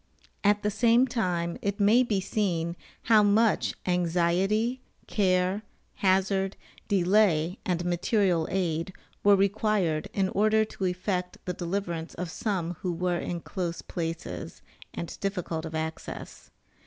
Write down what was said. At the same time it may be seen how much anxiety, care, hazard, delay and material aid, were required in order to effect the deliverance of some who were in close places, and difficult of access.